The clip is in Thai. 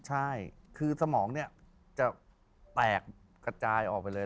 ใช่คือสมองเนี่ยจะแตกกระจายออกไปเลย